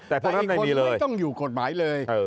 แต่คนอื่นต้องอยู่กฎหมายเลย